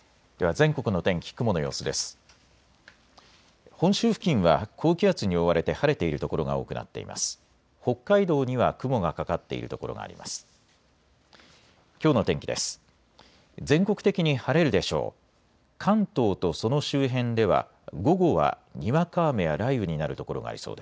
全国的に晴れるでしょう。